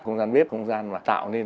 không gian bếp không gian mà tạo nên